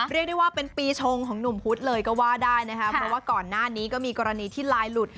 เรียกได้ว่าเป็นปีชงของหนุ่มพุธเลยก็ว่าได้นะคะเพราะว่าก่อนหน้านี้ก็มีกรณีที่ไลน์หลุด